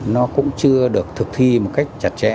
nó cũng chưa được thực thi một cách chặt